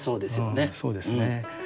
そうですよね。